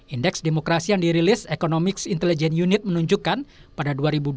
indeks demokrasi yang dirilis economics intelligence unit menunjukkan pada dua ribu dua puluh satu dua ribu dua puluh dua